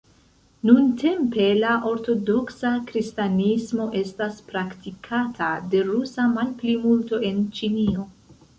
Nuntempe, la ortodoksa kristanismo estas praktikata de rusa malplimulto en Ĉinio.